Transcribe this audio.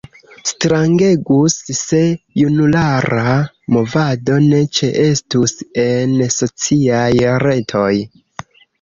Strangegus se junulara movado ne ĉeestus en sociaj retoj.